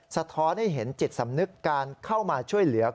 สะท้อนให้เห็นจิตสำนึกการเข้ามาช่วยเหลือ